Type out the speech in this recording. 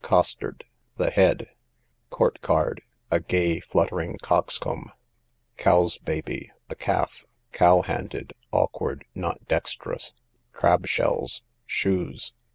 Costard, the head. Court card, a gay fluttering coxcomb. Cow's baby, a calf. Cow handed, awkward, not dextrous. Crab shells, shoes.